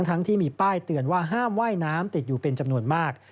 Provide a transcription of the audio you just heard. ทั้งที่มีป้ายเตือนว่าห้ามว่ายน้ำติดอยู่เป็นจำนวนมาก